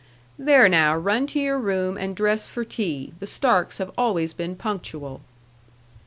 "There now, run to your room, and dress for tea. The Starks have always been punctual."